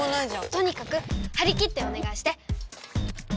とにかくはり切ってお願いして！